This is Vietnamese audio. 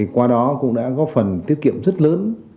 qua đó cũng đã góp phần tiết kiệm rất lớn